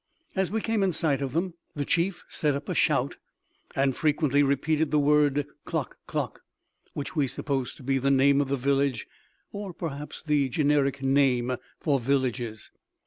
As we came in sight of them, the chief set up a shout, and frequently repeated the word Klock klock, which we supposed to be the name of the village, or perhaps the generic name for villages.